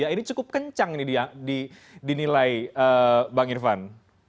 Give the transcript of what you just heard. ini cukup kencang ini dinilai bang irfan